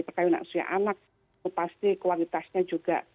percaya nasional pasti kualitasnya juga